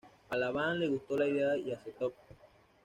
A Laban le gustó la idea y aceptó.